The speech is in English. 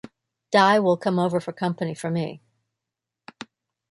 Di will come over for company for me.